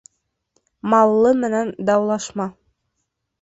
Маллы менән даулашма.